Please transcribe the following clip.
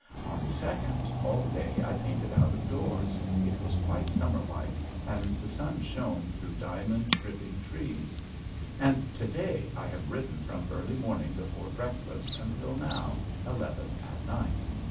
On the second all day I painted out of doors, it was quite summer like and the sun shone through diamond dripping trees. And to day I have written from early morning before breakfast until now, eleven at night.